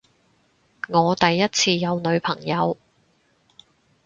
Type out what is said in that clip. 我第一次有女朋友